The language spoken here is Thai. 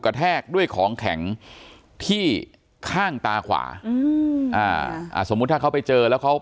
กระแทกด้วยของแข็งที่ข้างตาขวาสมมุติถ้าเขาไปเจอแล้วเขา